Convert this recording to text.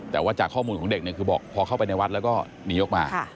แต่ว่าจากข้อมูลของเด็กเนี่ยคือบอกพอเข้าไปในวัดแล้วก็หนีออกมา